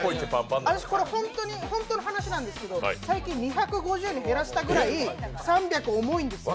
私、これ本当の話なんですけど、最近２５０に減らしたぐらい３００重いんですよ。